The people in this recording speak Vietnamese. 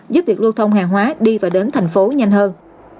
giúp việc lưu thông hàng hóa đi và đến thành phố nhanh hơn